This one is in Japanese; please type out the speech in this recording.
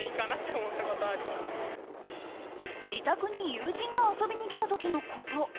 自宅に友人が遊びに来た時のこと。